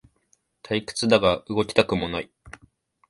退屈だが動きたくもない